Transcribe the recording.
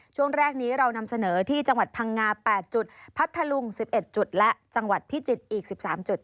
ช่วงแรกนี้เรานำเสนอที่จังหวัดพังงา๘จุดพัทธลุง๑๑จุดและจังหวัดพิจิตรอีก๑๓จุด